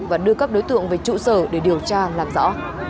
và đưa các đối tượng về trụ sở để điều tra làm rõ